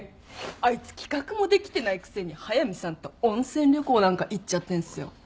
あいつ企画もできてないくせに速見さんと温泉旅行なんか行っちゃってんすよ。